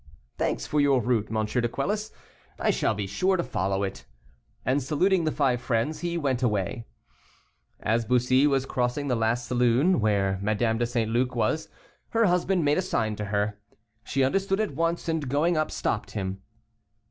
"Thanks for your route, M. de Quelus, I shall be sure to follow it." And saluting the five friends, he went away. As Bussy was crossing the last saloon where Madame de St. Luc was, her husband made a sign to her. She understood at once, and going up, stopped him.